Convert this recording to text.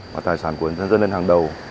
và tài sản của nhân dân lên hàng đầu